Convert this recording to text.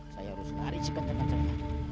saya harus lari cepet cepet